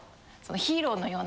ヒーローのような。